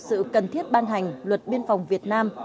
sự cần thiết ban hành luật biên phòng việt nam